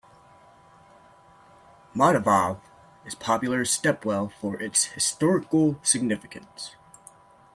Madhavav is popular stepwell for its historical significance.